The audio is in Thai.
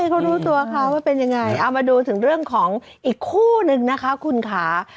เขารู้ตัวเขาว่าเป็นยังไงเอามาดูถึงเรื่องของอีกคู่นึงนะคะคุณค่ะ